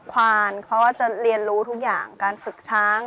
ควานเขาก็จะเรียนรู้ทุกอย่างการฝึกช้าง